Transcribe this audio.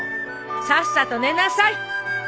さっさと寝なさい。